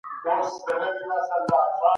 موږ په صنف کي په نوي اپلیکیشنونو خبرې کوو.